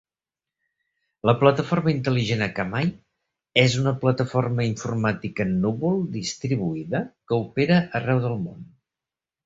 La plataforma intel·ligent Akamai és una plataforma informàtica en núvol distribuïda que opera arreu del món.